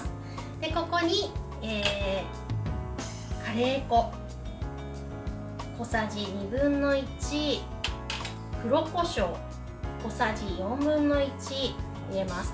ここにカレー粉、小さじ２分の１黒こしょう、小さじ４分の１入れます。